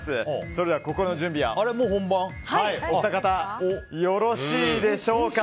それでは心の準備はよろしいでしょうか。